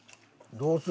どうする？